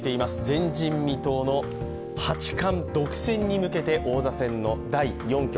前人未到の八冠独占に向けて王座戦の第４局。